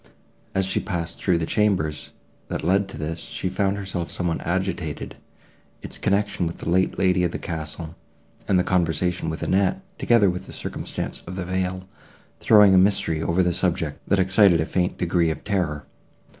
As she passed through the chambers, that led to this, she found herself somewhat agitated; its connection with the late lady of the castle, and the conversation of Annette, together with the circumstance of the veil, throwing a mystery over the subject, that excited a faint degree of terror.